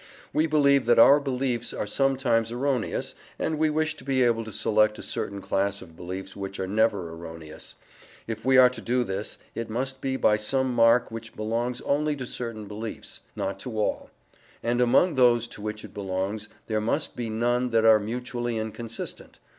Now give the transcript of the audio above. We believe that our beliefs are sometimes erroneous, and we wish to be able to select a certain class of beliefs which are never erroneous. If we are to do this, it must be by some mark which belongs only to certain beliefs, not to all; and among those to which it belongs there must be none that are mutually inconsistent.